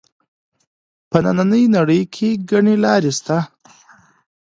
په نننۍ نړۍ کې ګڼې لارې شته